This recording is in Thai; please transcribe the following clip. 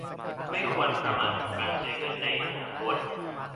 ไม่ควรประมาทกับการใช้เงินในอนาคต